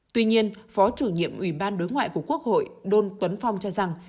tuy nhiên phó chủ nhiệm ủy ban đối ngoại của quốc hội đôn tuấn phong cho rằng